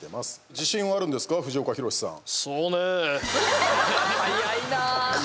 自信はあるんですか藤岡弘、さん。